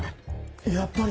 やっぱり！